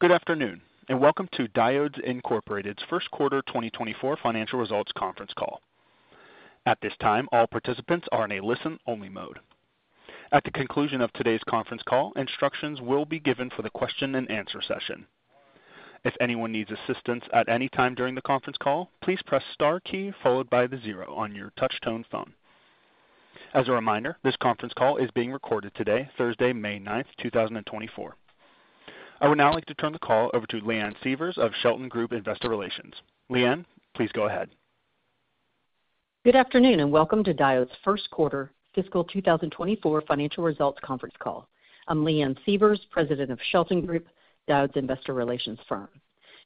Good afternoon and welcome to Diodes Incorporated's first quarter 2024 financial results conference call. At this time, all participants are in a listen-only mode. At the conclusion of today's conference call, instructions will be given for the question-and-answer session. If anyone needs assistance at any time during the conference call, please press star key followed by the zero on your touch-tone phone. As a reminder, this conference call is being recorded today, Thursday, May 9th, 2024. I would now like to turn the call over to Leanne Sievers of Shelton Group Investor Relations. Leanne, please go ahead. Good afternoon and welcome to Diodes' first quarter fiscal 2024 financial results conference call. I'm Leanne Sievers, President of Shelton Group, Diodes Investor Relations firm.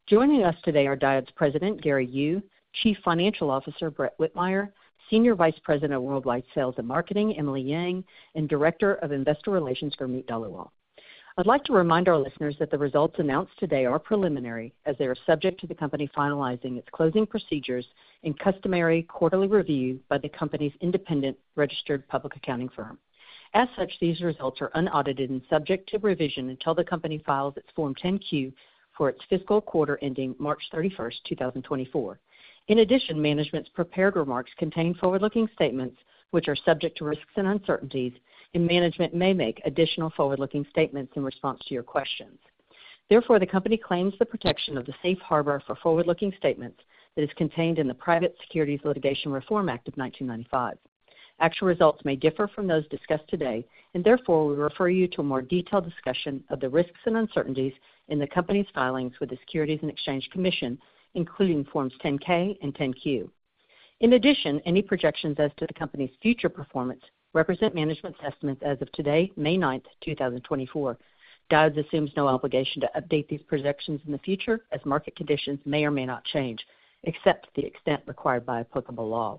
Joining us today are Diodes President Gary Yu, Chief Financial Officer Brett Whitmire, Senior Vice President of Worldwide Sales and Marketing Emily Yang, and Director of Investor Relations Gurmeet Dhaliwal. I'd like to remind our listeners that the results announced today are preliminary as they are subject to the company finalizing its closing procedures and customary quarterly review by the company's independent registered public accounting firm. As such, these results are unaudited and subject to revision until the company files its Form 10-Q for its fiscal quarter ending March 31st, 2024. In addition, management's prepared remarks contain forward-looking statements which are subject to risks and uncertainties, and management may make additional forward-looking statements in response to your questions. Therefore, the company claims the protection of the safe harbor for forward-looking statements that is contained in the Private Securities Litigation Reform Act of 1995. Actual results may differ from those discussed today, and therefore we refer you to a more detailed discussion of the risks and uncertainties in the company's filings with the Securities and Exchange Commission, including Forms 10-K and 10-Q. In addition, any projections as to the company's future performance represent management's estimates as of today, May 9th, 2024. Diodes assumes no obligation to update these projections in the future as market conditions may or may not change, except the extent required by applicable law.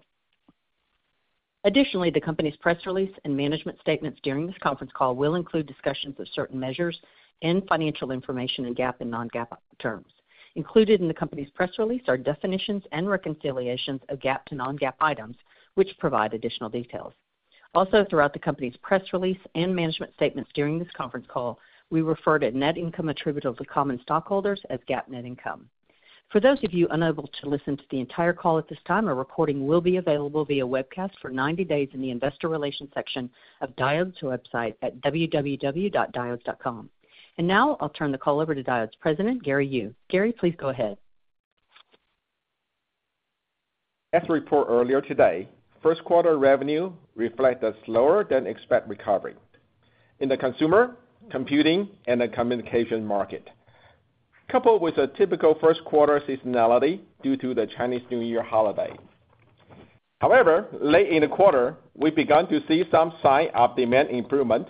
Additionally, the company's press release and management statements during this conference call will include discussions of certain measures and financial information in GAAP and non-GAAP terms. Included in the company's press release are definitions and reconciliations of GAAP to non-GAAP items, which provide additional details. Also, throughout the company's press release and management statements during this conference call, we refer to net income attributable to common stockholders as GAAP net income. For those of you unable to listen to the entire call at this time, a recording will be available via webcast for 90 days in the investor relations section of Diodes' website at www.diodes.com. Now I'll turn the call over to Diodes President Gary Yu. Gary, please go ahead. As reported earlier today, first quarter revenue reflected a slower-than-expected recovery in the consumer, computing, and the communications market, coupled with a typical first quarter seasonality due to the Chinese New Year holiday. However, late in the quarter, we began to see some sign of demand improvement,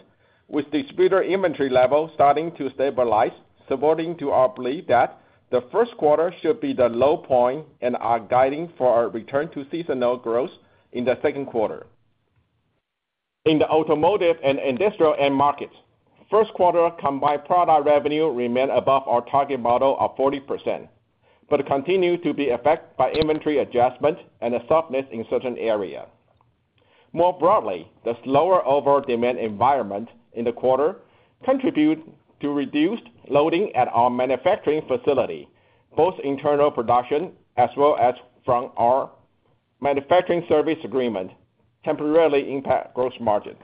with distributor inventory levels starting to stabilize, supporting our belief that the first quarter should be the low point and our guidance for our return to seasonal growth in the second quarter. In the automotive and industrial end markets, first quarter combined product revenue remained above our target model of 40% but continued to be affected by inventory adjustments and a softness in certain areas. More broadly, the slower overall demand environment in the quarter contributed to reduced loading at our manufacturing facility, both internal production as well as from our manufacturing service agreement, temporarily impacting gross margins.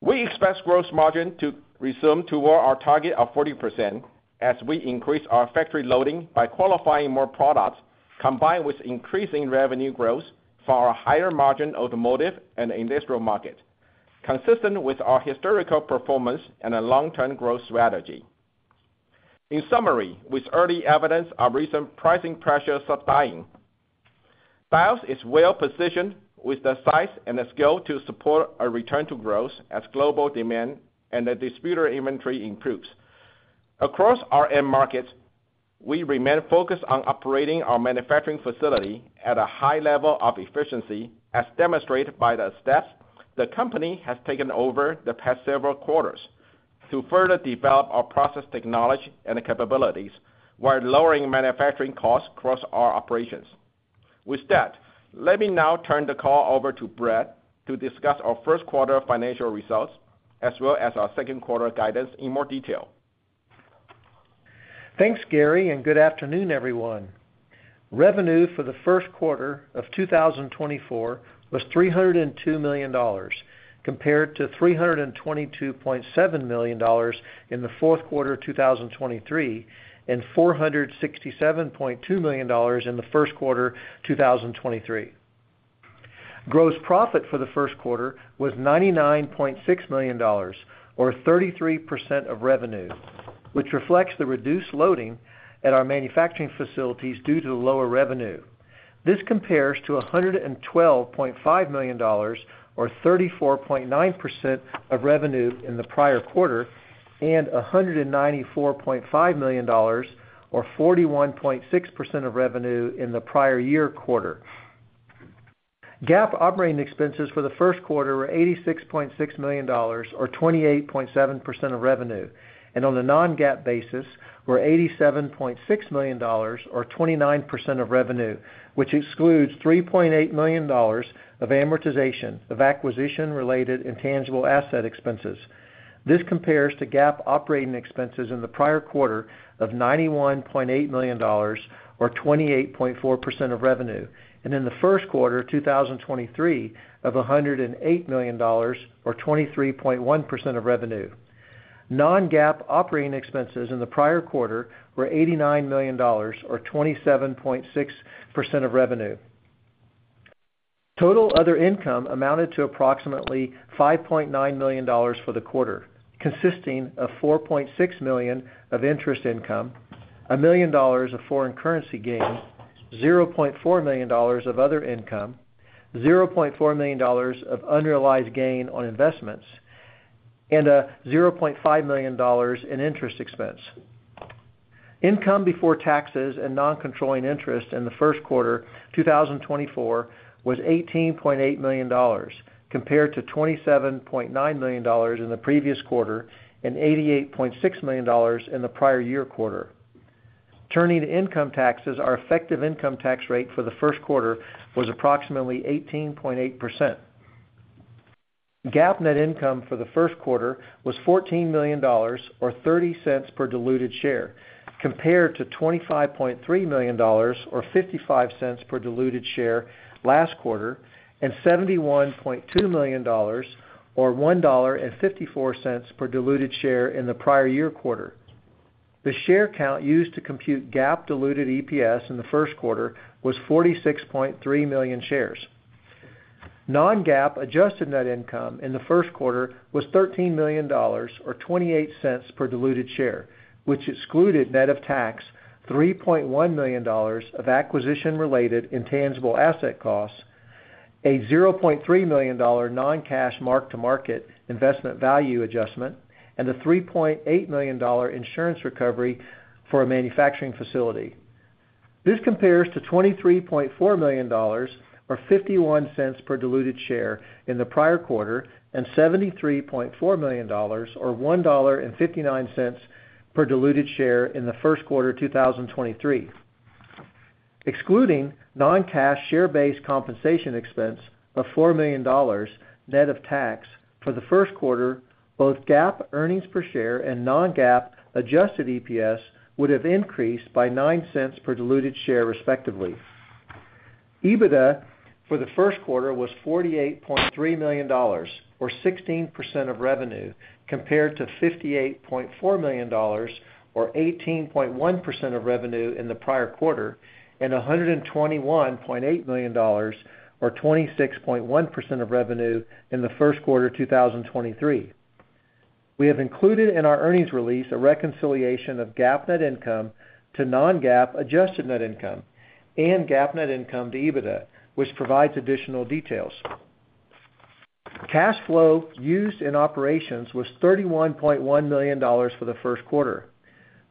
We expect gross margins to resume toward our target of 40% as we increase our factory loading by qualifying more products combined with increasing revenue growth for our higher margin automotive and industrial markets, consistent with our historical performance and a long-term growth strategy. In summary, with early evidence of recent pricing pressure subduing, Diodes is well positioned with the size and the scale to support a return to growth as global demand and the distributor inventory improves. Across our end markets, we remain focused on operating our manufacturing facility at a high level of efficiency as demonstrated by the steps the company has taken over the past several quarters to further develop our process technology and capabilities while lowering manufacturing costs across our operations. With that, let me now turn the call over to Brett to discuss our first quarter financial results as well as our second quarter guidance in more detail. Thanks, Gary, and good afternoon, everyone. Revenue for the first quarter of 2024 was $302 million compared to $322.7 million in the fourth quarter 2023 and $467.2 million in the first quarter 2023. Gross profit for the first quarter was $99.6 million or 33% of revenue, which reflects the reduced loading at our manufacturing facilities due to the lower revenue. This compares to $112.5 million or 34.9% of revenue in the prior quarter and $194.5 million or 41.6% of revenue in the prior year quarter. GAAP operating expenses for the first quarter were $86.6 million or 28.7% of revenue, and on a non-GAAP basis, were $87.6 million or 29% of revenue, which excludes $3.8 million of amortization of acquisition-related intangible asset expenses. This compares to GAAP operating expenses in the prior quarter of $91.8 million or 28.4% of revenue, and in the first quarter 2023 of $108 million or 23.1% of revenue. Non-GAAP operating expenses in the prior quarter were $89 million or 27.6% of revenue. Total other income amounted to approximately $5.9 million for the quarter, consisting of $4.6 million of interest income, $1 million of foreign currency gain, $0.4 million of other income, $0.4 million of unrealized gain on investments, and a $0.5 million in interest expense. Income before taxes and non-controlling interest in the first quarter 2024 was $18.8 million compared to $27.9 million in the previous quarter and $88.6 million in the prior year quarter. Turning to income taxes, our effective income tax rate for the first quarter was approximately 18.8%. GAAP net income for the first quarter was $14 million or $0.30 per diluted share compared to $25.3 million or $0.55 per diluted share last quarter and $71.2 million or $1.54 per diluted share in the prior year quarter. The share count used to compute GAAP diluted EPS in the first quarter was 46.3 million shares. Non-GAAP adjusted net income in the first quarter was $13 million or $0.28 per diluted share, which excluded net of tax $3.1 million of acquisition-related intangible asset costs, a $0.3 million non-cash mark-to-market investment value adjustment, and a $3.8 million insurance recovery for a manufacturing facility. This compares to $23.4 million or $0.51 per diluted share in the prior quarter and $73.4 million or $1.59 per diluted share in the first quarter 2023, excluding non-cash share-based compensation expense of $4 million net of tax for the first quarter. Both GAAP earnings per share and non-GAAP adjusted EPS would have increased by $0.09 per diluted share, respectively. EBITDA for the first quarter was $48.3 million or 16% of revenue compared to $58.4 million or 18.1% of revenue in the prior quarter and $121.8 million or 26.1% of revenue in the first quarter 2023. We have included in our earnings release a reconciliation of GAAP net income to non-GAAP adjusted net income and GAAP net income to EBITDA, which provides additional details. Cash flow used in operations was $31.1 million for the first quarter.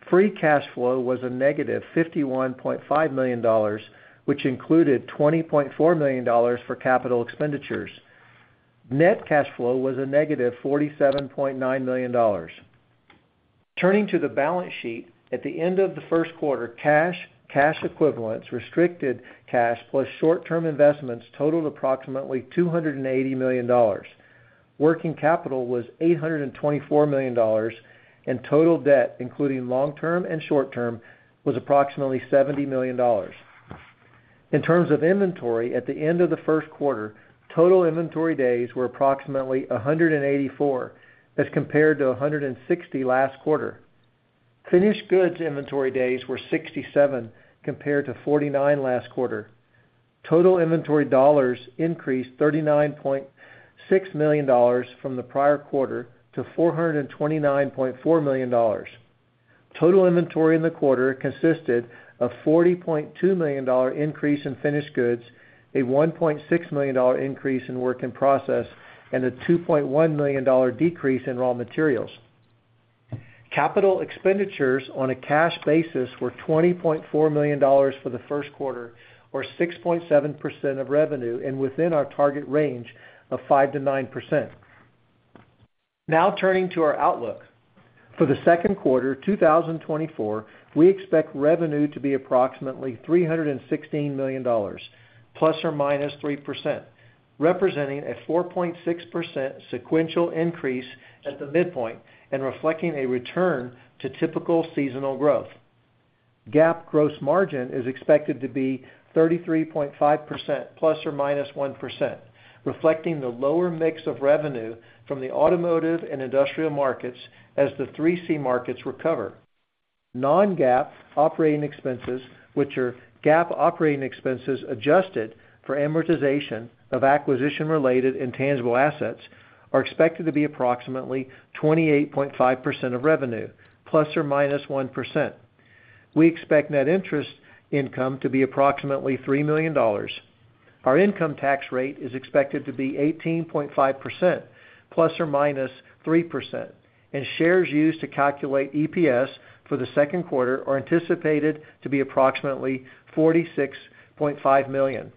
Free cash flow was -$51.5 million, which included $20.4 million for capital expenditures. Net cash flow was -$47.9 million. Turning to the balance sheet, at the end of the first quarter, cash, cash equivalents, restricted cash, plus short-term investments totaled approximately $280 million. Working capital was $824 million, and total debt, including long-term and short-term, was approximately $70 million. In terms of inventory, at the end of the first quarter, total inventory days were approximately 184 as compared to 160 last quarter. Finished goods inventory days were 67 compared to 49 last quarter. Total inventory dollars increased $39.6 million from the prior quarter to $429.4 million. Total inventory in the quarter consisted of a $40.2 million increase in finished goods, a $1.6 million increase in work in process, and a $2.1 million decrease in raw materials. Capital expenditures on a cash basis were $20.4 million for the first quarter, or 6.7% of revenue, and within our target range of 5%-9%. Now turning to our outlook. For the second quarter 2024, we expect revenue to be approximately $316 million, ±3%, representing a 4.6% sequential increase at the midpoint and reflecting a return to typical seasonal growth. GAAP gross margin is expected to be 33.5%, ±1%, reflecting the lower mix of revenue from the automotive and industrial markets as the 3C markets recover. Non-GAAP operating expenses, which are GAAP operating expenses adjusted for amortization of acquisition-related intangible assets, are expected to be approximately 28.5% of revenue, ±1%. We expect net interest income to be approximately $3 million. Our income tax rate is expected to be 18.5%, ±3%, and shares used to calculate EPS for the second quarter are anticipated to be approximately 46.5 million.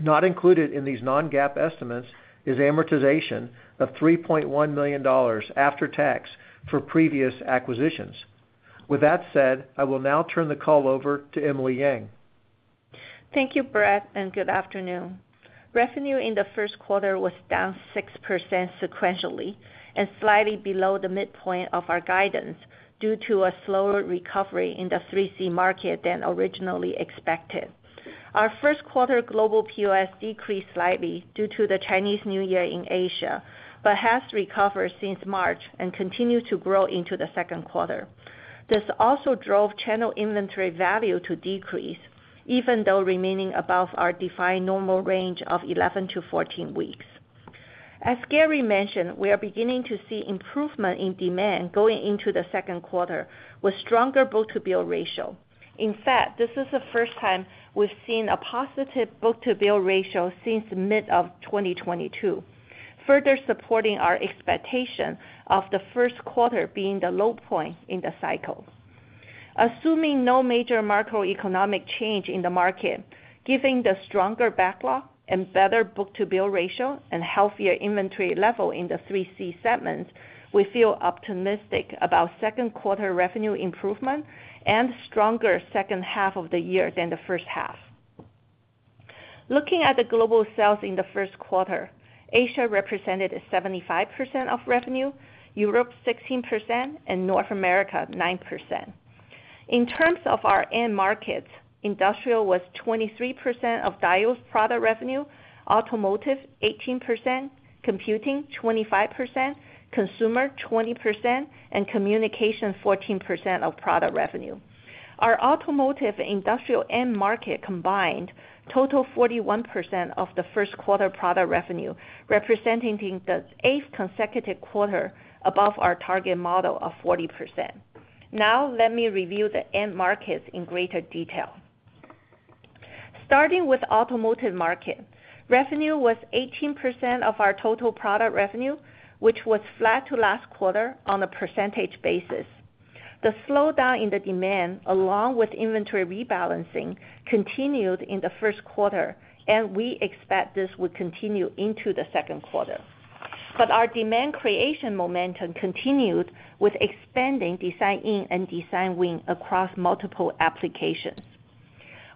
Not included in these non-GAAP estimates is amortization of $3.1 million after tax for previous acquisitions. With that said, I will now turn the call over to Emily Yang. Thank you, Brett, and good afternoon. Revenue in the first quarter was down 6% sequentially and slightly below the midpoint of our guidance due to a slower recovery in the 3C market than originally expected. Our first quarter global POS decreased slightly due to the Chinese New Year in Asia but has recovered since March and continued to grow into the second quarter. This also drove channel inventory value to decrease, even though remaining above our defined normal range of 11-14 weeks. As Gary mentioned, we are beginning to see improvement in demand going into the second quarter with stronger book-to-bill ratio. In fact, this is the first time we've seen a positive book-to-bill ratio since mid-2022, further supporting our expectation of the first quarter being the low point in the cycle. Assuming no major macroeconomic change in the market, given the stronger backlog and better book-to-bill ratio and healthier inventory level in the 3C segments, we feel optimistic about second quarter revenue improvement and stronger second half of the year than the first half. Looking at the global sales in the first quarter, Asia represented 75% of revenue, Europe 16%, and North America 9%. In terms of our end markets, industrial was 23% of Diodes product revenue, automotive 18%, computing 25%, consumer 20%, and communication 14% of product revenue. Our automotive and industrial end market combined totaled 41% of the first quarter product revenue, representing the eighth consecutive quarter above our target model of 40%. Now let me review the end markets in greater detail. Starting with the automotive market, revenue was 18% of our total product revenue, which was flat to last quarter on a percentage basis. The slowdown in the demand, along with inventory rebalancing, continued in the first quarter, and we expect this would continue into the second quarter. But our demand creation momentum continued with expanding design-in and design win across multiple applications.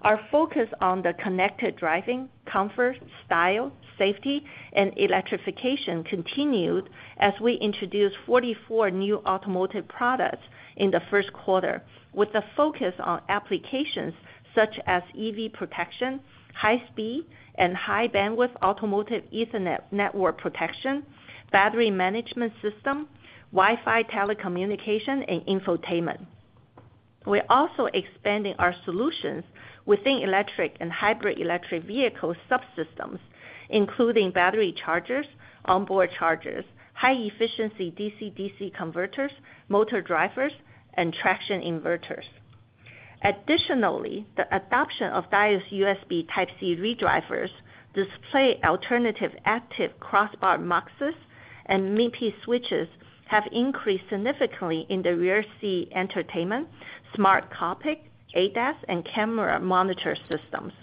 Our focus on the connected driving, comfort, style, safety, and electrification continued as we introduced 44 new automotive products in the first quarter, with the focus on applications such as EV protection, high-speed and high-bandwidth automotive Ethernet network protection, battery management system, Wi-Fi telecommunication, and infotainment. We're also expanding our solutions within electric and hybrid electric vehicle subsystems, including battery chargers, onboard chargers, high-efficiency DC/DC converters, motor drivers, and traction inverters. Additionally, the adoption of Diodes USB Type-C ReDrivers, DisplayPort Alternate active crossbar muxes, and MIPI switches have increased significantly in the rear seat entertainment, smart cockpit, ADAS, and camera monitor systems.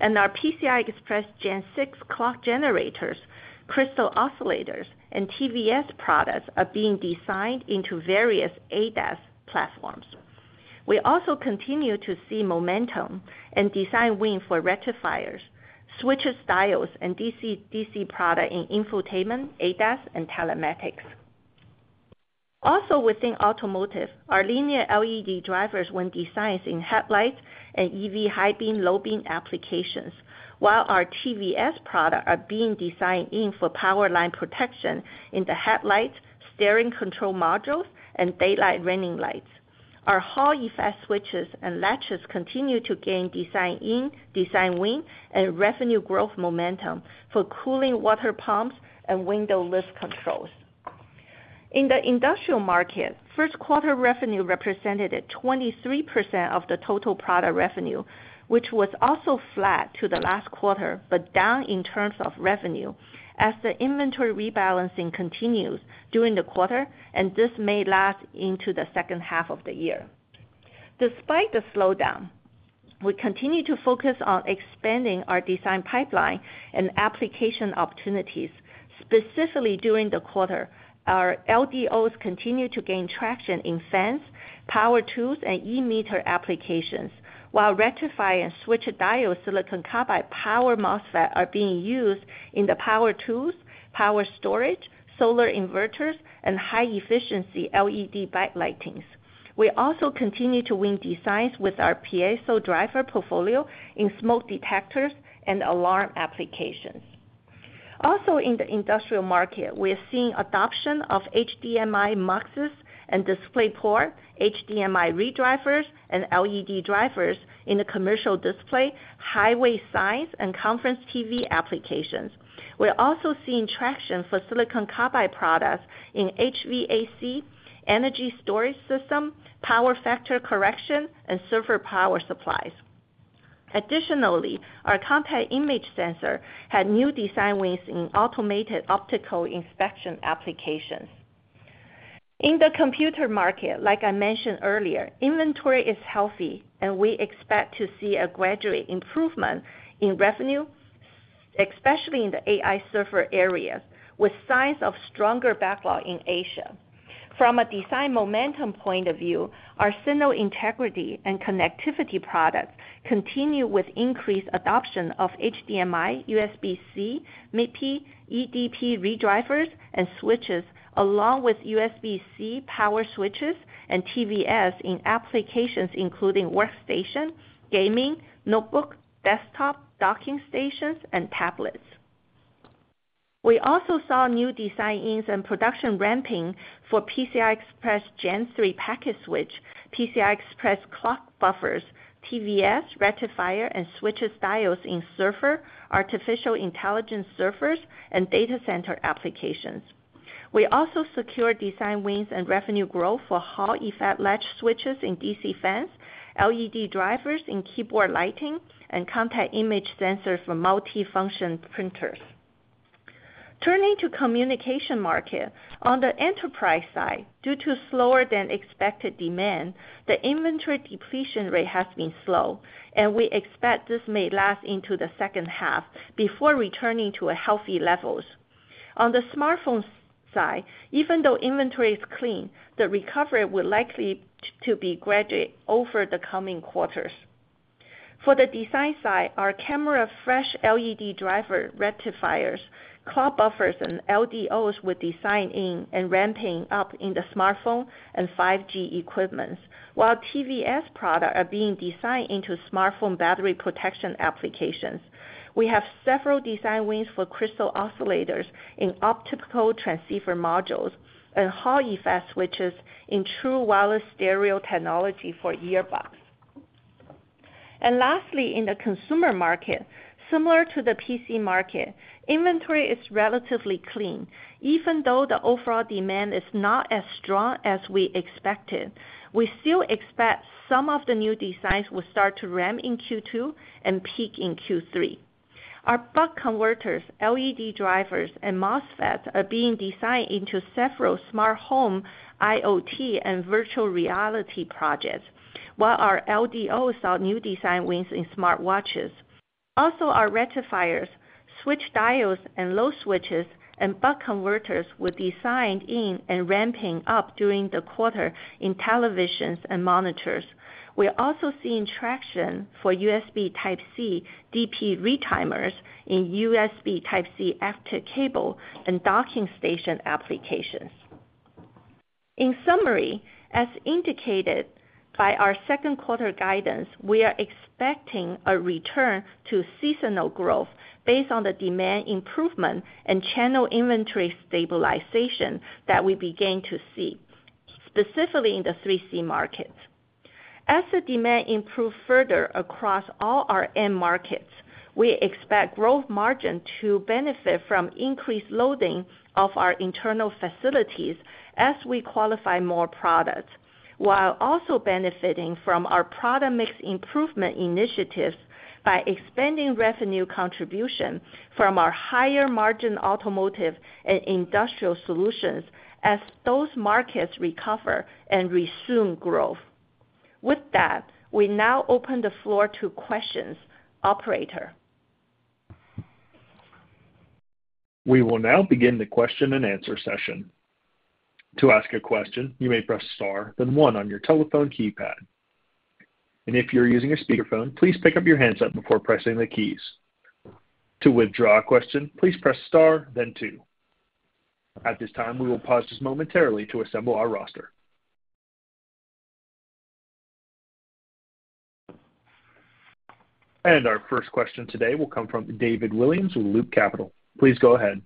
Our PCI Express Gen 6 clock generators, crystal oscillators, and TVS products are being designed into various ADAS platforms. We also continue to see momentum and design win for rectifiers, switches, diodes, and DC/DC product in infotainment, ADAS, and telematics. Also within automotive, our linear LED drivers were designed in headlights and EV high-beam, low-beam applications, while our TVS products are being designed in for power line protection in the headlights, steering control modules, and daylight running lights. Our Hall effect switches and latches continue to gain design-in, design-win, and revenue growth momentum for cooling water pumps and window lift controls. In the industrial market, first quarter revenue represented 23% of the total product revenue, which was also flat to the last quarter but down in terms of revenue as the inventory rebalancing continues during the quarter, and this may last into the second half of the year. Despite the slowdown, we continue to focus on expanding our design pipeline and application opportunities. Specifically during the quarter, our LDOs continue to gain traction in fans, power tools, and e-meter applications, while rectifiers and switching diodes silicon carbide power MOSFETs are being used in the power tools, power storage, solar inverters, and high-efficiency LED backlighting. We also continue to win designs with our piezo driver portfolio in smoke detectors and alarm applications. Also in the industrial market, we're seeing adoption of HDMI muxes and DisplayPort, HDMI ReDrivers, and LED drivers in the commercial display, highway signs, and conference TV applications. We're also seeing traction for silicon carbide products in HVAC, energy storage system, power factor correction, and server power supplies. Additionally, our contact image sensor had new design wins in automated optical inspection applications. In the computer market, like I mentioned earlier, inventory is healthy, and we expect to see a gradual improvement in revenue, especially in the AI server areas, with signs of stronger backlog in Asia. From a design momentum point of view, our signal integrity and connectivity products continue with increased adoption of HDMI, USB-C, MIPI, eDP ReDrivers, and switches, along with USB-C power switches and TVS in applications including workstation, gaming, notebook, desktop, docking stations, and tablets. We also saw new design-ins and production ramping for PCI Express Gen 3 packet switch, PCI Express clock buffers, TVS rectifier, and switches, diodes in server, artificial intelligence servers, and data center applications. We also secured design wins and revenue growth for Hall effect latch switches in DC fans, LED drivers in keyboard lighting, and contact image sensors for multifunction printers. Turning to the communication market, on the enterprise side, due to slower-than-expected demand, the inventory depletion rate has been slow, and we expect this may last into the second half before returning to healthy levels. On the smartphone side, even though inventory is clean, the recovery would likely be gradual over the coming quarters. For the design side, our camera flash LED driver rectifiers, clock buffers, and LDOs were designed in and ramping up in the smartphone and 5G equipment, while TVS products are being designed into smartphone battery protection applications. We have several design wins for crystal oscillators in optical transceiver modules and Hall effect switches in true wireless stereo technology for earbuds. Lastly, in the consumer market, similar to the PC market, inventory is relatively clean. Even though the overall demand is not as strong as we expected, we still expect some of the new designs will start to ramp in Q2 and peak in Q3. Our buck converters, LED drivers, and MOSFETs are being designed into several smart home IoT and virtual reality projects, while our LDOs saw new design wins in smartwatches. Also, our rectifiers, switch diodes, and load switches and buck converters were designed in and ramping up during the quarter in televisions and monitors. We're also seeing traction for USB Type-C DP ReTimers in USB Type-C active cable and docking station applications. In summary, as indicated by our second quarter guidance, we are expecting a return to seasonal growth based on the demand improvement and channel inventory stabilization that we begin to see, specifically in the 3C markets. As the demand improves further across all our end markets, we expect growth margin to benefit from increased loading of our internal facilities as we qualify more products, while also benefiting from our product mix improvement initiatives by expanding revenue contribution from our higher margin automotive and industrial solutions as those markets recover and resume growth. With that, we now open the floor to questions. Operator. We will now begin the question and answer session. To ask a question, you may press star then one on your telephone keypad. If you're using a speakerphone, please pick up your handset before pressing the keys. To withdraw a question, please press star then two. At this time, we will pause just momentarily to assemble our roster. Our first question today will come from David Williams with Loop Capital. Please go ahead.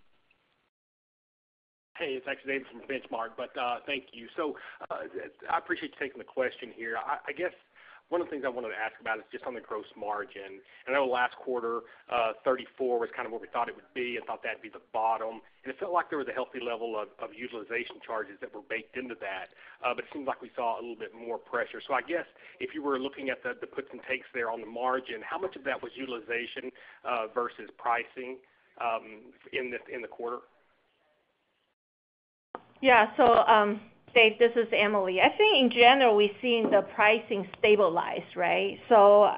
Hey, it's actually David from Benchmark, but thank you. So I appreciate you taking the question here. I guess one of the things I wanted to ask about is just on the gross margin. And I know last quarter, 34% was kind of what we thought it would be and thought that'd be the bottom. And it felt like there was a healthy level of utilization charges that were baked into that, but it seemed like we saw a little bit more pressure. So I guess if you were looking at the puts and takes there on the margin, how much of that was utilization versus pricing in the quarter? Yeah. So Dave, this is Emily. I think in general, we're seeing the pricing stabilize, right? So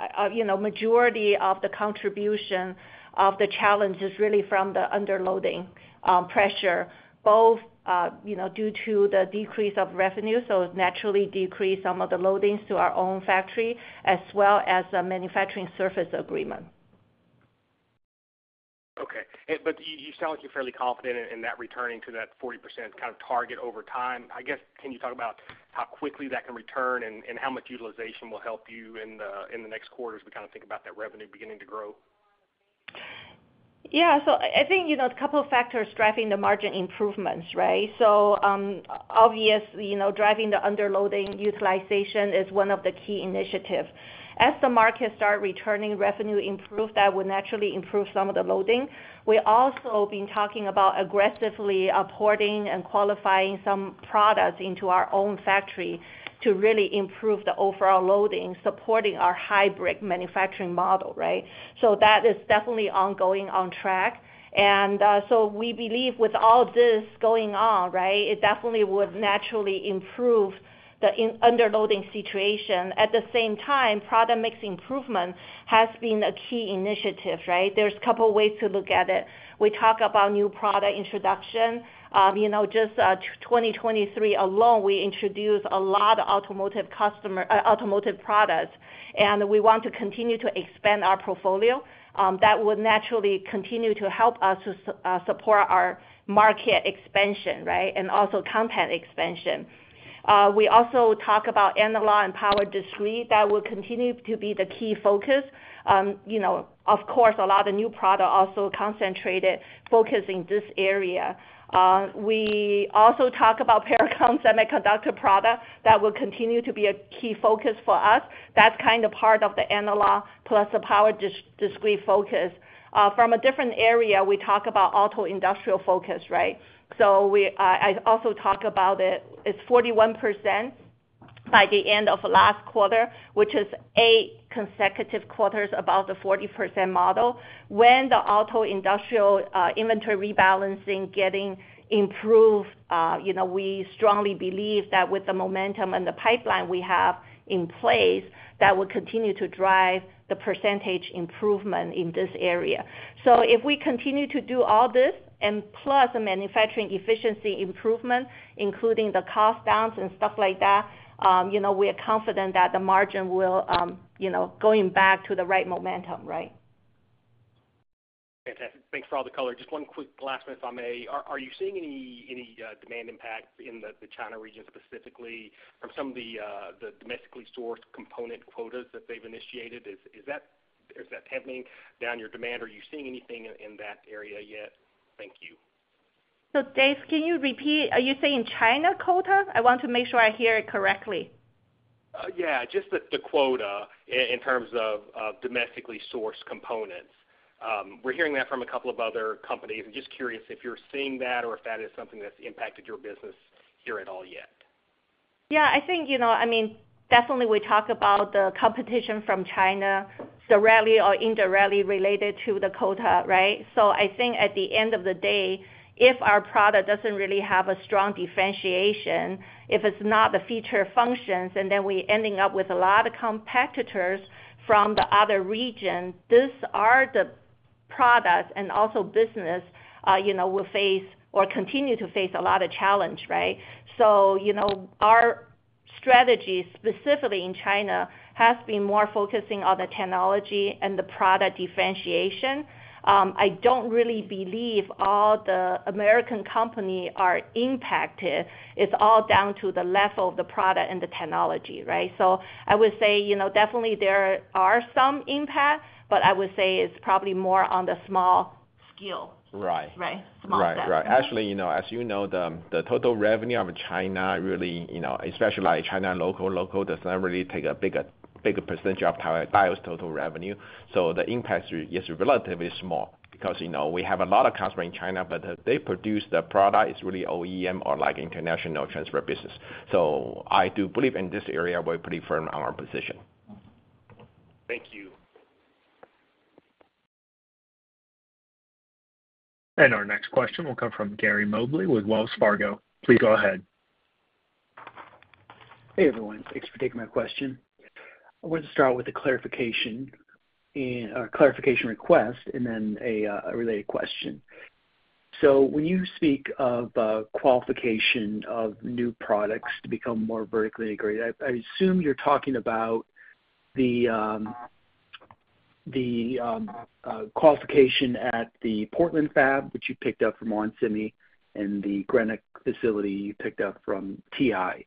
majority of the contribution of the challenge is really from the underloading pressure, both due to the decrease of revenue, so naturally decrease some of the loadings to our own factory, as well as a manufacturing service agreement. Okay. But you sound like you're fairly confident in that returning to that 40% kind of target over time. I guess can you talk about how quickly that can return and how much utilization will help you in the next quarter as we kind of think about that revenue beginning to grow? Yeah. So I think a couple of factors driving the margin improvements, right? So obviously, driving the underloading utilization is one of the key initiatives. As the market starts returning revenue improved, that would naturally improve some of the loading. We're also being talking about aggressively importing and qualifying some products into our own factory to really improve the overall loading, supporting our hybrid manufacturing model, right? So that is definitely ongoing, on track. And so we believe with all this going on, right, it definitely would naturally improve the underloading situation. At the same time, product mix improvement has been a key initiative, right? There's a couple of ways to look at it. We talk about new product introduction. Just 2023 alone, we introduced a lot of automotive products, and we want to continue to expand our portfolio. That would naturally continue to help us support our market expansion, right, and also content expansion. We also talk about analog and power discrete. That will continue to be the key focus. Of course, a lot of new products also concentrated focus in this area. We also talk about Pericom Semiconductor products. That will continue to be a key focus for us. That's kind of part of the analog plus the power discrete focus. From a different area, we talk about auto industrial focus, right? So I also talk about it. It's 41% by the end of last quarter, which is eight consecutive quarters about the 40% model. When the auto industrial inventory rebalancing getting improved, we strongly believe that with the momentum and the pipeline we have in place, that would continue to drive the percentage improvement in this area. If we continue to do all this and plus a manufacturing efficiency improvement, including the cost downs and stuff like that, we are confident that the margin will go back to the right momentum, right? Fantastic. Thanks for all the color. Just one quick last-minute if I may. Are you seeing any demand impact in the China region specifically from some of the domestically sourced component quotas that they've initiated? Is that tempering down your demand? Are you seeing anything in that area yet? Thank you. Dave, can you repeat? Are you saying China quota? I want to make sure I hear it correctly. Yeah. Just the quota in terms of domestically sourced components. We're hearing that from a couple of other companies. I'm just curious if you're seeing that or if that is something that's impacted your business here at all yet. Yeah. I think, I mean, definitely we talk about the competition from China, directly or indirectly related to the quota, right? So I think at the end of the day, if our product doesn't really have a strong differentiation, if it's not the feature functions, and then we're ending up with a lot of competitors from the other region, these are the products and also business will face or continue to face a lot of challenge, right? So our strategy specifically in China has been more focusing on the technology and the product differentiation. I don't really believe all the American companies are impacted. It's all down to the level of the product and the technology, right? So I would say definitely there are some impacts, but I would say it's probably more on the small scale, right? Small steps. Right. Right. Actually, as you know, the total revenue of China, especially like China local, local, does not really take a big percentage of Diodes total revenue. So the impact is relatively small because we have a lot of customers in China, but they produce the product is really OEM or international transfer business. So I do believe in this area, we're pretty firm on our position. Thank you. Our next question will come from Gary Mobley with Wells Fargo. Please go ahead. Hey, everyone. Thanks for taking my question. I wanted to start out with a clarification request and then a related question. So when you speak of qualification of new products to become more vertically integrated, I assume you're talking about the qualification at the Portland fab, which you picked up from onsemi, and the Greenock facility you picked up from TI.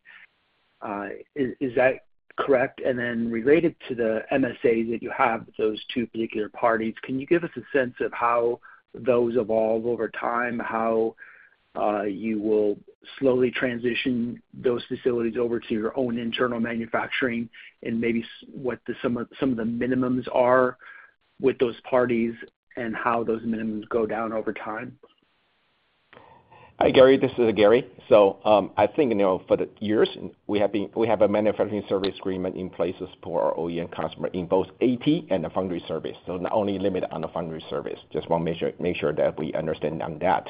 Is that correct? And then related to the MSAs that you have with those two particular parties, can you give us a sense of how those evolve over time, how you will slowly transition those facilities over to your own internal manufacturing, and maybe what some of the minimums are with those parties and how those minimums go down over time? Hi, Gary. This is Gary. So I think for the years, we have a manufacturing service agreement in place for our OEM customer in both AT and the foundry service. So not only limit on the foundry service, just want to make sure that we understand on that.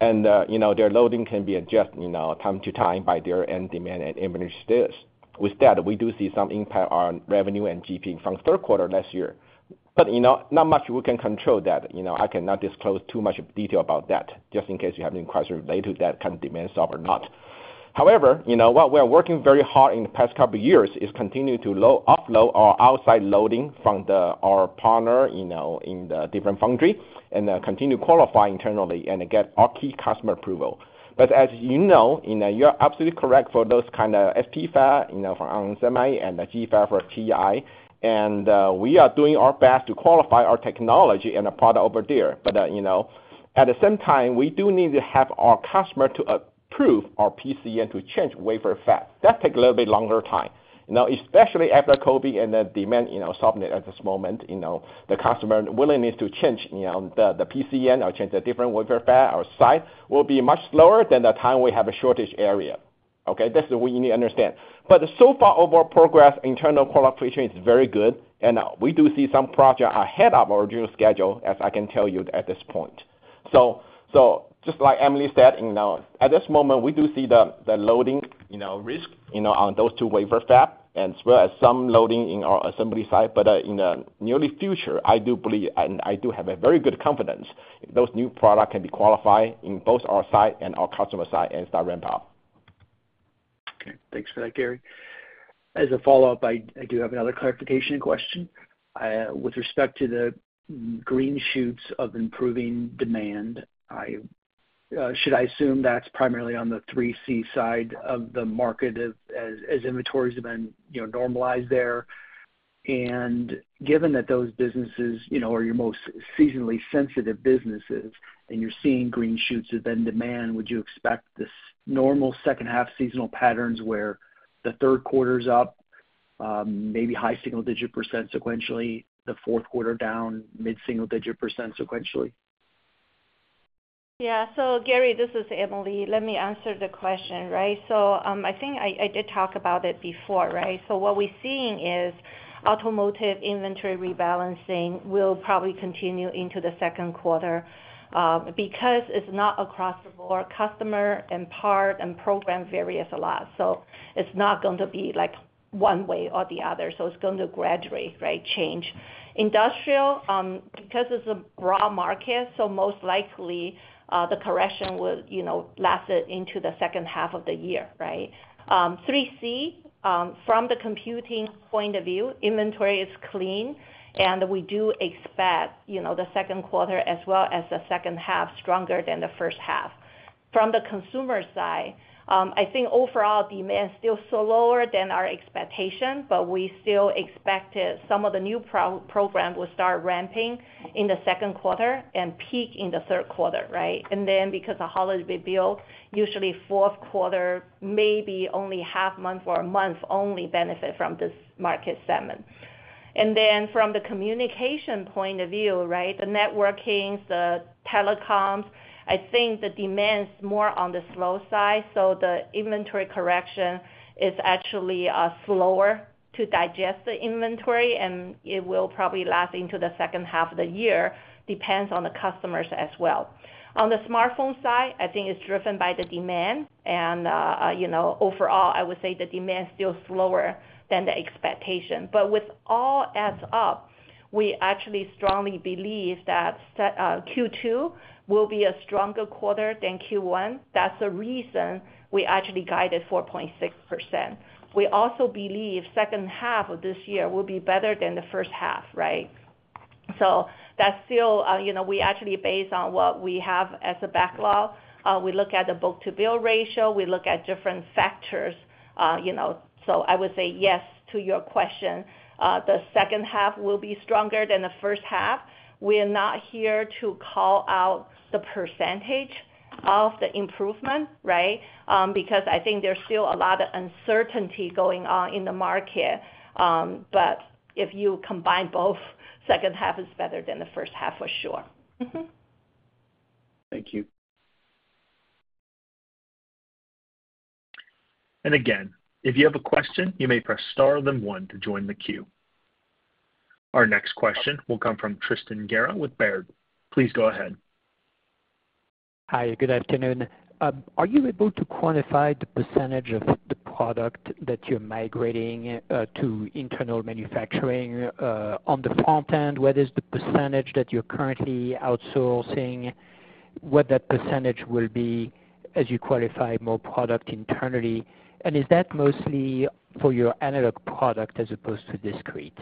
And their loading can be adjusted time to time by their end demand and inventory status. With that, we do see some impact on revenue and GP from third quarter last year. But not much we can control that. I cannot disclose too much detail about that, just in case you have any questions related to that kind of demand stuff or not. However, what we are working very hard in the past couple of years is continue to offload our outside loading from our partner in the different foundry and continue to qualify internally and get our key customer approval. But as you know, you're absolutely correct for those kind of SP fab from onsemi and the G fab from TI. And we are doing our best to qualify our technology and the product over there. But at the same time, we do need to have our customer to approve our PCN to change wafer fab. That takes a little bit longer time, especially after COVID and the demand situation at this moment. The customer willingness to change the PCN or change the different wafer fab or site will be much slower than the time we have a shortage area, okay? That's what we need to understand. But so far, overall progress, internal qualification is very good. And we do see some projects ahead of our original schedule, as I can tell you at this point. Just like Emily said, at this moment, we do see the loading risk on those two wafer fabs, as well as some loading in our assembly site. But in the near future, I do believe and I do have very good confidence those new products can be qualified in both our site and our customer side and start ramping up. Okay. Thanks for that, Gary. As a follow-up, I do have another clarification question. With respect to the green shoots of improving demand, should I assume that's primarily on the 3C side of the market as inventories have been normalized there? And given that those businesses are your most seasonally sensitive businesses and you're seeing green shoots of end demand, would you expect this normal second-half seasonal patterns where the third quarter's up, maybe high single-digit % sequentially, the fourth quarter down, mid-single-digit % sequentially? Yeah. So Gary, this is Emily. Let me answer the question, right? So I think I did talk about it before, right? So what we're seeing is automotive inventory rebalancing will probably continue into the second quarter because it's not across the board. Customer and part and program varies a lot. So it's not going to be one way or the other. So it's going to gradually, right, change. Industrial, because it's a broad market, so most likely the correction will last into the second half of the year, right? 3C, from the computing point of view, inventory is clean, and we do expect the second quarter as well as the second half stronger than the first half. From the consumer side, I think overall demand is still slower than our expectation, but we still expected some of the new programs will start ramping in the second quarter and peak in the third quarter, right? And then because of holiday rebuild, usually fourth quarter, maybe only half month or a month only benefit from this market segment. And then from the communication point of view, right, the networkings, the telecoms, I think the demand's more on the slow side. So the inventory correction is actually slower to digest the inventory, and it will probably last into the second half of the year, depends on the customers as well. On the smartphone side, I think it's driven by the demand. And overall, I would say the demand is still slower than the expectation. But it all adds up, we actually strongly believe that Q2 will be a stronger quarter than Q1. That's the reason we actually guided 4.6%. We also believe second half of this year will be better than the first half, right? So that's still we actually base on what we have as a backlog. We look at the book-to-bill ratio. We look at different factors. So I would say yes to your question. The second half will be stronger than the first half. We're not here to call out the percentage of the improvement, right, because I think there's still a lot of uncertainty going on in the market. But if you combine both, second half is better than the first half for sure. Thank you. And again, if you have a question, you may press star then one to join the queue. Our next question will come from Tristan Gerra with Baird. Please go ahead. Hi. Good afternoon. Are you able to quantify the percentage of the product that you're migrating to internal manufacturing? On the front end, what is the percentage that you're currently outsourcing? What that percentage will be as you qualify more product internally? And is that mostly for your analog product as opposed to discrete?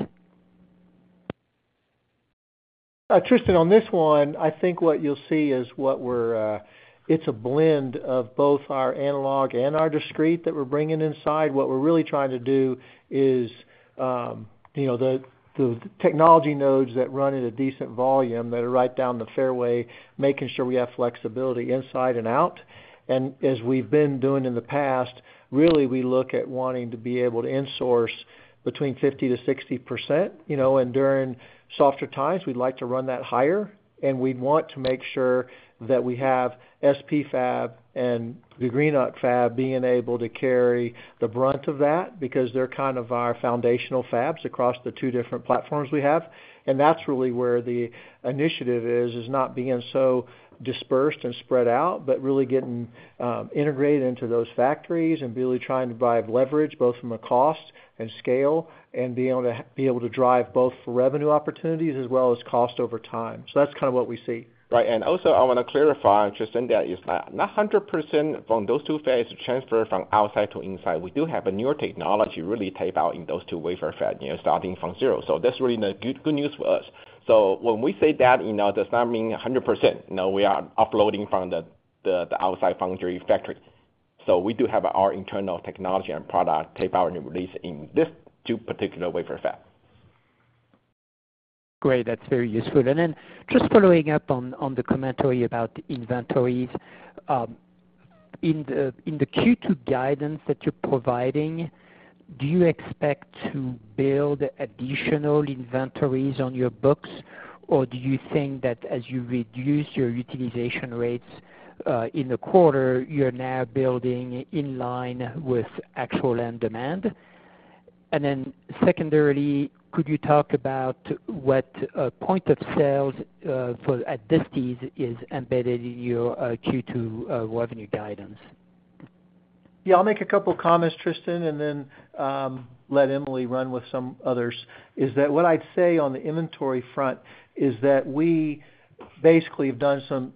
Tristan, on this one, I think what you'll see is what we're. It's a blend of both our analog and our discrete that we're bringing inside. What we're really trying to do is the technology nodes that run at a decent volume that are right down the fairway, making sure we have flexibility inside and out. And as we've been doing in the past, really, we look at wanting to be able to insource between 50%-60%. And during softer times, we'd like to run that higher. And we'd want to make sure that we have SP fab and the Greenock fab being able to carry the brunt of that because they're kind of our foundational fabs across the two different platforms we have. That's really where the initiative is, is not being so dispersed and spread out, but really getting integrated into those factories and really trying to drive leverage both from a cost and scale and be able to drive both for revenue opportunities as well as cost over time. That's kind of what we see. Right. And also, I want to clarify, Tristan, that it's not 100% from those two fabs transfer from outside to inside. We do have a newer technology really tape out in those two wafer fabs starting from zero. So that's really good news for us. So when we say that, it does not mean 100%. We are offloading from the outside foundry factory. So we do have our internal technology and product tape out and release in these two particular wafer fabs. Great. That's very useful. And then just following up on the commentary about the inventories, in the Q2 guidance that you're providing, do you expect to build additional inventories on your books, or do you think that as you reduce your utilization rates in the quarter, you're now building in line with actual end demand? And then secondarily, could you talk about what point of sales at distributors is embedded in your Q2 revenue guidance? Yeah. I'll make a couple of comments, Tristan, and then let Emily run with some others. That's what I'd say on the inventory front is that we basically have done some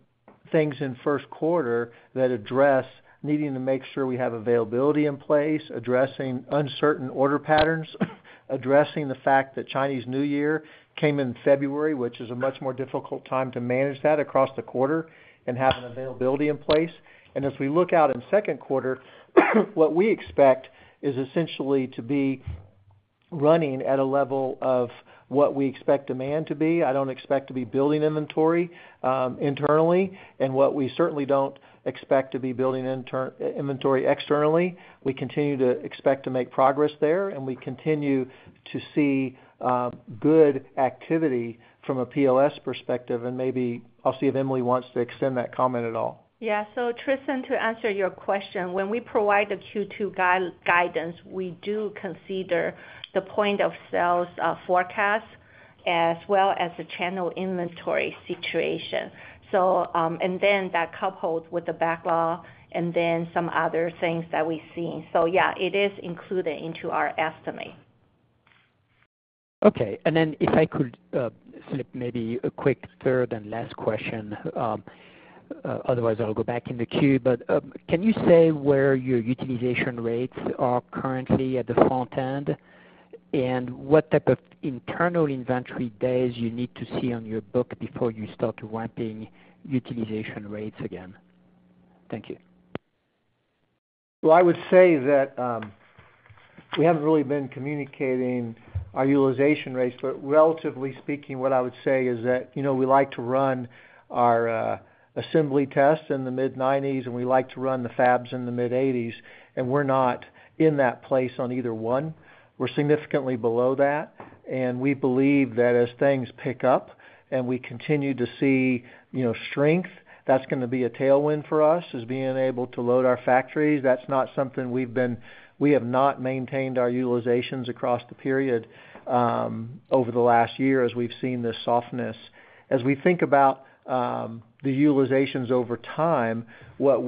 things in first quarter that address needing to make sure we have availability in place, addressing uncertain order patterns, addressing the fact that Chinese New Year came in February, which is a much more difficult time to manage that across the quarter and have an availability in place. And as we look out in second quarter, what we expect is essentially to be running at a level of what we expect demand to be. I don't expect to be building inventory internally. And what we certainly don't expect to be building inventory externally, we continue to expect to make progress there, and we continue to see good activity from a POS perspective. Maybe I'll see if Emily wants to extend that comment at all. Yeah. So Tristan, to answer your question, when we provide the Q2 guidance, we do consider the point-of-sale forecast as well as the channel inventory situation. And then that coupled with the backlog and then some other things that we're seeing. So yeah, it is included into our estimate. Okay. And then if I could slip maybe a quick third and last question, otherwise, I'll go back in the queue. But can you say where your utilization rates are currently at the front end and what type of internal inventory days you need to see on your book before you start ramping utilization rates again? Thank you. Well, I would say that we haven't really been communicating our utilization rates. But relatively speaking, what I would say is that we like to run our assembly tests in the mid-90s, and we like to run the fabs in the mid-80s. And we're not in that place on either one. We're significantly below that. And we believe that as things pick up and we continue to see strength, that's going to be a tailwind for us, being able to load our factories. That's not something we have not maintained our utilizations across the period over the last year as we've seen this softness. As we think about the utilizations over time, what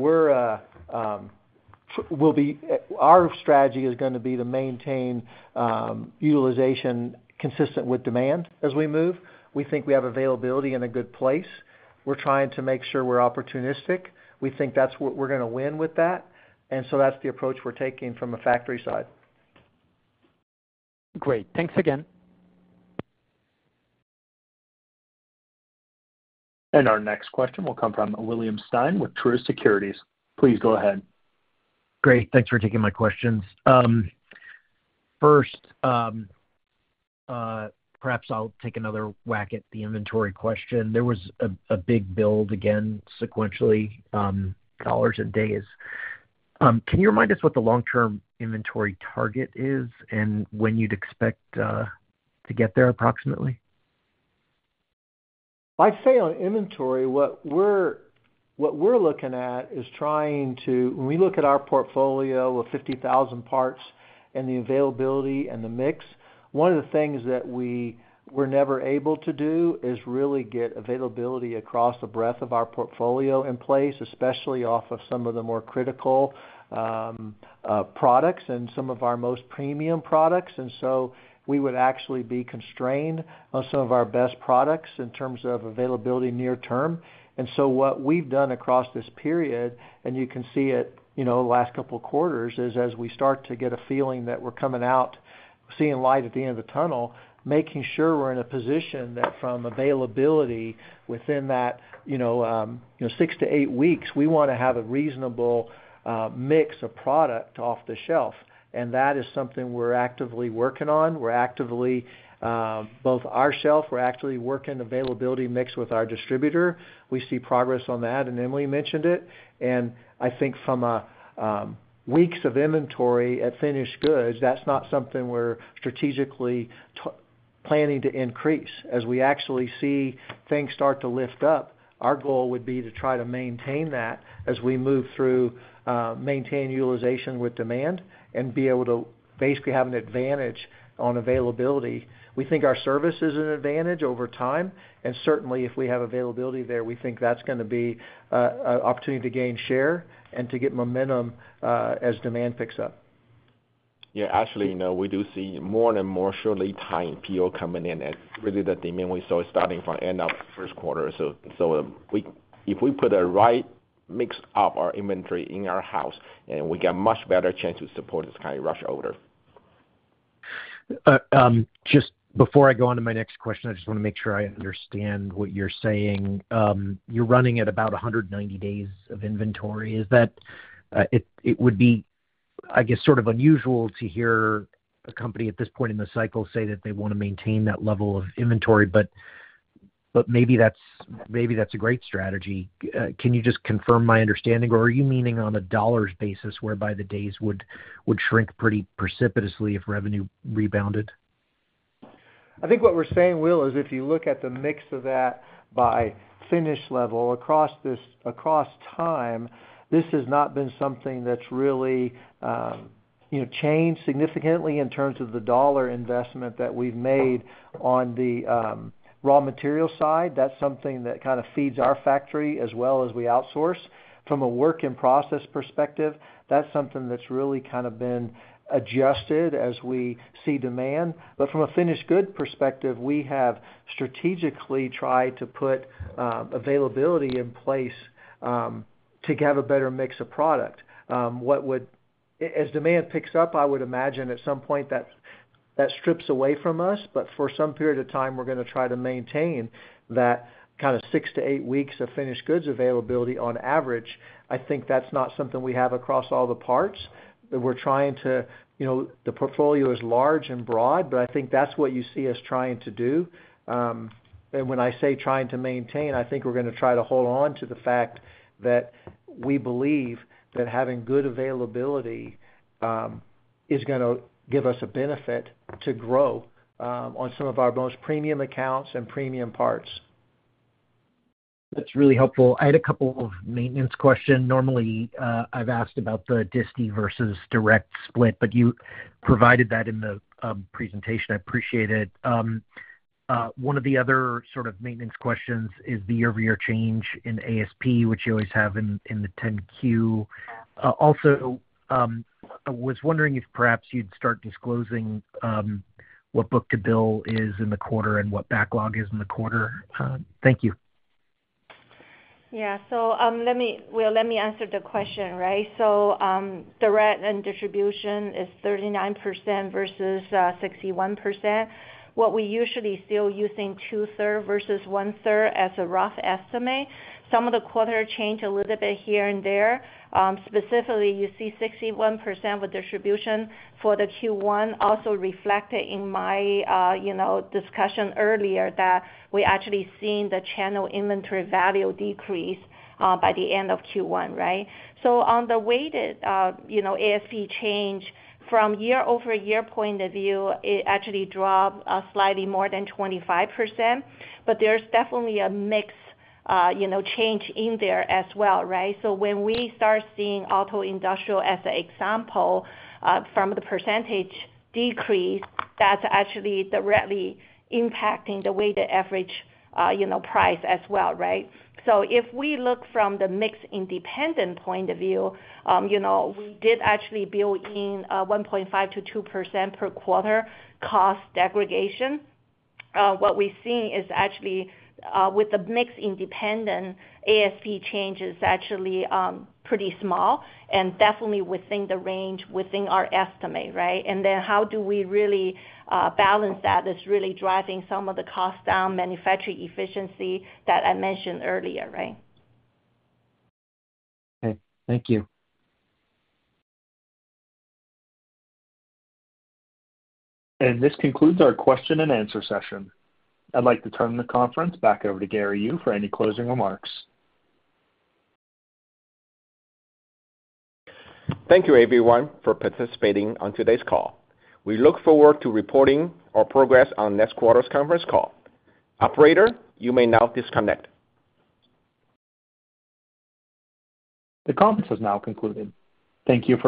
our strategy will be is going to be to maintain utilization consistent with demand as we move. We think we have availability in a good place. We're trying to make sure we're opportunistic. We think that's what we're going to win with that. And so that's the approach we're taking from a factory side. Great. Thanks again. Our next question will come from William Stein with Truist Securities. Please go ahead. Great. Thanks for taking my questions. First, perhaps I'll take another whack at the inventory question. There was a big build again sequentially. Dollars in days. Can you remind us what the long-term inventory target is and when you'd expect to get there approximately? I'd say on inventory, what we're looking at is trying to, when we look at our portfolio with 50,000 parts and the availability and the mix, one of the things that we were never able to do is really get availability across the breadth of our portfolio in place, especially off of some of the more critical products and some of our most premium products. And so we would actually be constrained on some of our best products in terms of availability near term. And so what we've done across this period, and you can see it last couple of quarters, is as we start to get a feeling that we're coming out seeing light at the end of the tunnel, making sure we're in a position that from availability within that 6-8 weeks, we want to have a reasonable mix of product off the shelf. That is something we're actively working on. We're actively bolstering our shelf; we're actively working availability mix with our distributor. We see progress on that, and Emily mentioned it. I think from four weeks of inventory at finished goods, that's not something we're strategically planning to increase. As we actually see things start to lift up, our goal would be to try to maintain that as we move through, maintain utilization with demand and be able to basically have an advantage on availability. We think our service is an advantage over time. And certainly, if we have availability there, we think that's going to be an opportunity to gain share and to get momentum as demand picks up. Yeah. Actually, we do see more and more short lead time PO coming in. It's really the demand we saw starting from the end of first quarter. So if we put the right mix of our inventory in-house, then we get a much better chance to support this kind of rush order. Just before I go on to my next question, I just want to make sure I understand what you're saying. You're running at about 190 days of inventory. It would be, I guess, sort of unusual to hear a company at this point in the cycle say that they want to maintain that level of inventory, but maybe that's a great strategy. Can you just confirm my understanding, or are you meaning on a dollars basis whereby the days would shrink pretty precipitously if revenue rebounded? I think what we're saying, Will, is if you look at the mix of that by finished level across time, this has not been something that's really changed significantly in terms of the dollar investment that we've made on the raw material side. That's something that kind of feeds our factory as well as we outsource. From a work-in-process perspective, that's something that's really kind of been adjusted as we see demand. But from a finished good perspective, we have strategically tried to put availability in place to have a better mix of product. As demand picks up, I would imagine at some point that strips away from us. But for some period of time, we're going to try to maintain that kind of 6-8 weeks of finished goods availability on average. I think that's not something we have across all the parts. We're trying to the portfolio is large and broad, but I think that's what you see us trying to do. When I say trying to maintain, I think we're going to try to hold on to the fact that we believe that having good availability is going to give us a benefit to grow on some of our most premium accounts and premium parts. That's really helpful. I had a couple of maintenance questions. Normally, I've asked about the disties versus direct split, but you provided that in the presentation. I appreciate it. One of the other sort of maintenance questions is the year-over-year change in ASP, which you always have in the 10-Q. Also, I was wondering if perhaps you'd start disclosing what book-to-bill is in the quarter and what backlog is in the quarter. Thank you. Yeah. So, Will, let me answer the question, right? So direct and distribution is 39% versus 61%. What we usually still using two-thirds versus one-third as a rough estimate. Some of the quarter change a little bit here and there. Specifically, you see 61% with distribution for the Q1 also reflected in my discussion earlier that we actually seen the channel inventory value decrease by the end of Q1, right? So on the weighted ASP change, from year-over-year point of view, it actually dropped slightly more than 25%. But there's definitely a mix change in there as well, right? So when we start seeing auto industrial as an example from the percentage decrease, that's actually directly impacting the weighted average price as well, right? So if we look from the mix-independent point of view, we did actually build in 1.5%-2% per quarter cost segregation. What we're seeing is actually with the mix-independent ASP change is actually pretty small and definitely within the range within our estimate, right? And then how do we really balance that that's really driving some of the cost down, manufacturing efficiency that I mentioned earlier, right? Okay. Thank you. This concludes our question-and-answer session. I'd like to turn the conference back over to Gary Yu, for any closing remarks. Thank you, everyone, for participating on today's call. We look forward to reporting our progress on next quarter's conference call. Operator, you may now disconnect. The conference has now concluded. Thank you for.